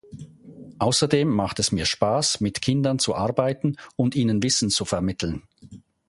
Außerdem macht es mir Spaß, mit Kindern zu arbeiten und ihnen Wissen zu vermitteln.